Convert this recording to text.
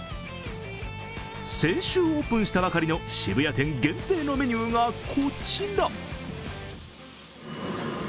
先週オープンしたばかりの渋谷店限定のメニューがこちら。